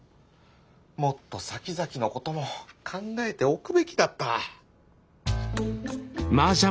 もっとさきざきのことも考えておくべきだった。